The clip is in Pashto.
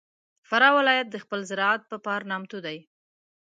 فراه ولایت د خپل زراعت په پار نامتو دی.